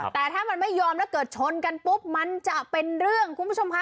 แต่ถ้ามันไม่ยอมแล้วเกิดชนกันปุ๊บมันจะเป็นเรื่องคุณผู้ชมค่ะ